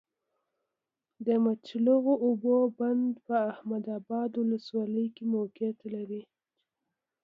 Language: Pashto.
د مچلغو اوبو بند په احمد ابا ولسوالۍ کي موقعیت لری